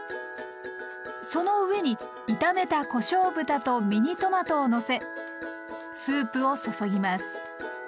その上に炒めたこしょう豚とミニトマトをのせスープを注ぎます。